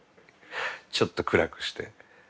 ちょっと暗くして。